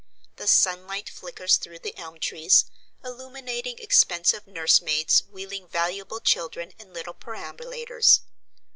The sunlight flickers through the elm trees, illuminating expensive nurse maids wheeling valuable children in little perambulators.